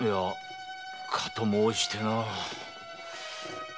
かと申してな。